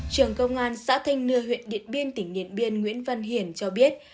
trường công an xã thanh nưa huyện điện biên tỉnh điện biên nguyễn văn hiền cho biết